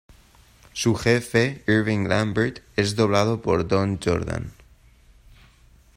Su jefe, Irving Lambert, es doblado por Don Jordan.